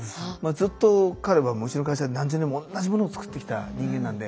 ずっと彼はうちの会社で何十年も同じものを作ってきた人間なんで。